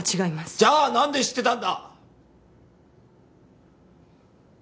じゃあ何で知ってたんだ？